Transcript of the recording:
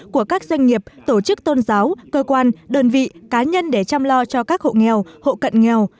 của các doanh nghiệp tổ chức tôn giáo cơ quan đơn vị cá nhân để chăm lo cho các hộ nghèo hộ cận nghèo